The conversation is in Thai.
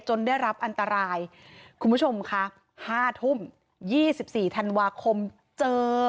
ได้รับอันตรายคุณผู้ชมค่ะ๕ทุ่ม๒๔ธันวาคมเจอ